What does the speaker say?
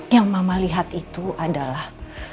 yang mama lihat itu adalah